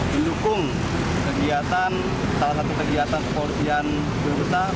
dilukung kegiatan salah satu kegiatan kepolisian cibarusah